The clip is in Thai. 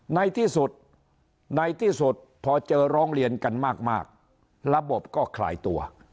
ในที่สุดในที่สุดพอเจอร้องเรียนกันมากระบบก็คลายตัว